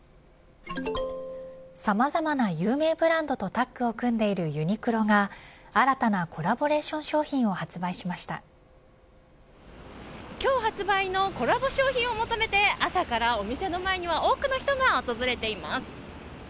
さまざまな有名ブランドとタックを組んでいるユニクロが新たなコラボレーション商品を今日発売のコラボ商品を求めて朝からお店の前には多くの人が訪れています。